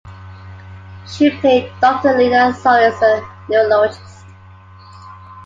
She played Doctor Lena Solis, a neurologist.